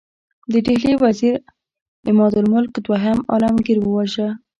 د ډهلي وزیر عمادالملک دوهم عالمګیر وواژه.